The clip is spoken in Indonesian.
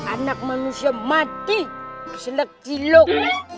anak manusia mati senak cilok